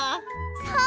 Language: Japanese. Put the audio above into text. そう！